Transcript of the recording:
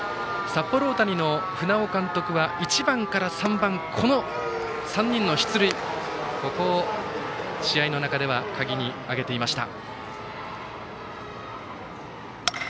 札幌大谷の船尾監督は１番から３番この３人の出塁を、試合の中では鍵に挙げていました。